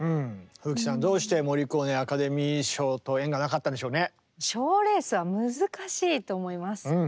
富貴さんどうしてモリコーネアカデミー賞と縁がなかったんでしょうね？